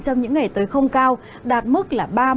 trong những ngày tới không cao đạt mức là ba mươi